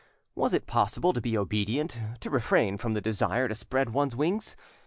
Was it possible to be obedient, to refrain from the desire to spread one's wings?